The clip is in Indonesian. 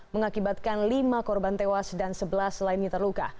mengakibatkan lima korban tewas dan sebelas lainnya terluka